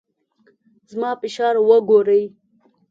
زما فشار وګورئ.